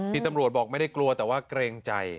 ที่ตำรวจบอกไม่ได้กลัวแต่ว่าเกรงใจ